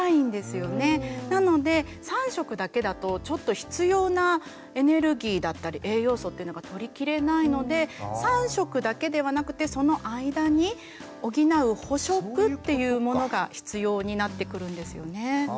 なので３食だけだとちょっと必要なエネルギーだったり栄養素っていうのが取りきれないので３食だけではなくてその間に補う補食っていうものが必要になってくるんですよね。